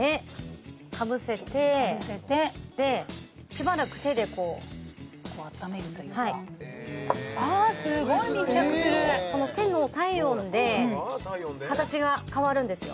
かぶせてでかぶせてしばらく手でこうあっためるというかはいあすごい密着するこの手の体温で形が変わるんですよ